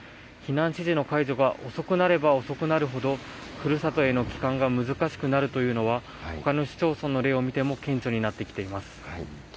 避難指示の解除が遅くなれば遅くなるほど、ふるさとへの帰還が難しくなるというのは、ほかの市町村の例を見ても顕著になってきています。